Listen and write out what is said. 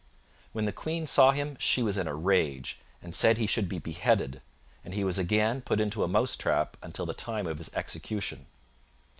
When the Queen saw him she was in a rage, and said he should be beheaded; and he was again put into a mouse trap until the time of his execution.